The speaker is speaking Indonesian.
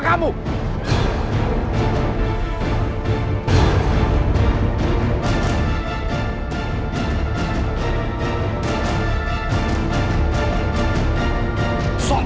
taulah andai senyumku itu